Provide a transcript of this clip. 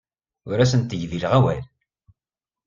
Ur asent-gdileɣ awal.